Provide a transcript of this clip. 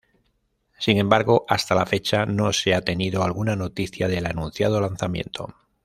Sin embargo, hasta la fecha no se ha tenido alguna noticia del anunciado lanzamiento.